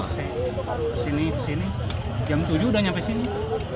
sini sini jam tujuh udah nyampe sini